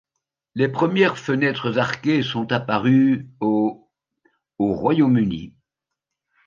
Le premières fenêtres arquées sont apparues au au Royaume-Uni.